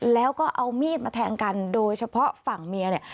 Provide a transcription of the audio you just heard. แล้วก็เอามีดมาแทงกันโดยเฉพาะฝั่งเมียเนี่ย